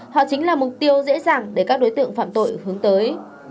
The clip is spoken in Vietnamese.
họ chính là mục tiêu dễ dàng để các đối tượng phạm tội hướng tới